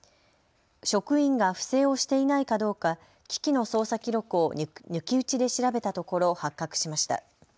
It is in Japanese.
職員が不正をしていないかどうか機器の操作記録を抜き打ちで調べたところ発覚しました。